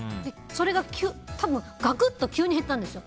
それが多分ガクンと急に減ったんですよ。